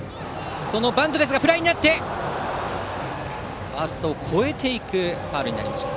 バントはフライになってファーストを越えるファウルになりました。